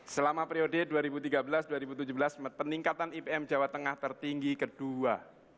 selama periode dua ribu tiga belas dua ribu tujuh belas peningkatan ipm jawa tengah tertinggi kedua